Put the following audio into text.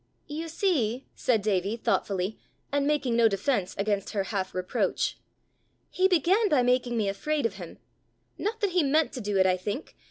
"You see," said Davie, thoughtfully, and making no defence against her half reproach, "he began by making me afraid of him not that he meant to do it, I think!